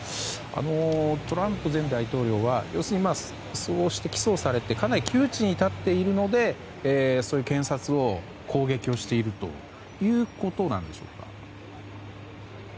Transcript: トランプ前大統領は要するにそう指摘されてかなり窮地に立っているので検察を攻撃しているということなんでしょうか。